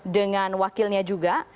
dengan wakilnya juga